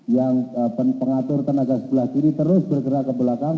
yang pengatur tenaga sebelah kiri terus bergerak ke belakang